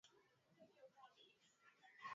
Umepokea kito ambacho nilikutumia?